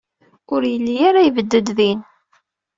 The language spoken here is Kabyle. Ur yelli ara yebded din.